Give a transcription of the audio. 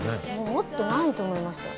持ってないと思いました。